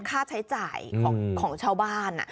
ค่าใช้จ่ายของชาวบ้าน